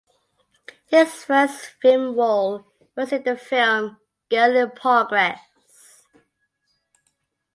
His first film role was in the film "Girl in Progress".